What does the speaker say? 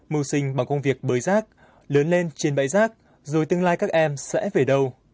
mưu sinh bằng công việc bơi rác lớn lên trên bãi rác rồi tương lai các em sẽ về đâu